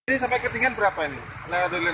ini sampai ketinggian berapa ini